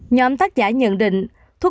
nhóm tác giả nhận định